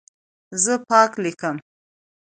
زه پاک لیکم.